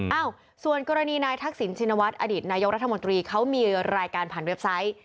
เอ้าส่วนกรณีนายทักษิณชินวัฒน์อดีตนายกรัฐมนตรีเขามีรายการผ่านเว็บไซต์